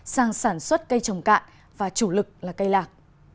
sang sản xuất cây trồng cạn và chủ lực là cây lạc